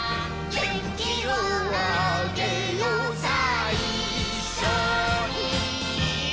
「げんきをあげようさぁいっしょに」